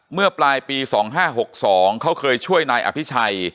เมื่อปลายปี๒๕๖๒เขาเคยช่วยนายอภิชัย